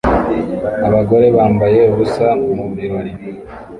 Abagore bambaye ubusa mu birori